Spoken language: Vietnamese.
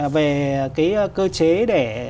về cái cơ chế để